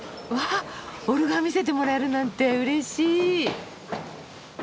オルガン見せてもらえるなんてうれしい！